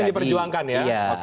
yang itu yang diperjuangkan ya